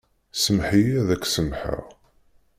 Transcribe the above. Sameḥ-iyi, ad k-samḥeɣ.